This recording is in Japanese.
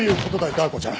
ダー子ちゃん。